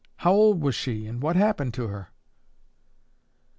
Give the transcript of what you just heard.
How old was she and what happened to her?"